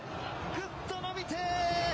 ぐっと伸びて。